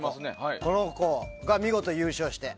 この子が見事、優勝して。